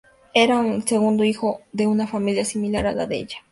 Era el segundo hijo de una familia similar a la de ella.